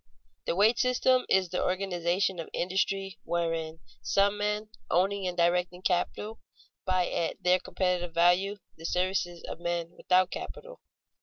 _The wage system is the organization of industry wherein some men, owning and directing capital, buy at their competitive value the services of men without capital.